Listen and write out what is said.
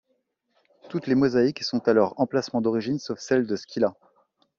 Toutes les mosaïques sont à leur emplacement d'origine sauf celle de Scylla.